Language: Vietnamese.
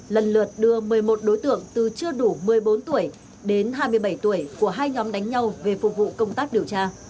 lần lượt đưa một mươi một đối tượng từ chưa đủ một mươi bốn tuổi đến hai mươi bảy tuổi của hai nhóm đánh nhau về phục vụ công tác điều tra